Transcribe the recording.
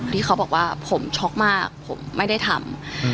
ที่เขาบอกว่าผมช็อกมากผมไม่ได้ทำ